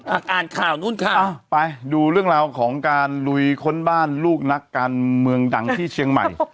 อ่านข่าวนู้นค่ะอ่าไปดูเรื่องราวของการลุยค้นบ้านลูกนักการเมืองดังที่เชียงใหม่